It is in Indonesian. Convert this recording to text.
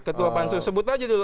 ketua pansus sebut aja dulu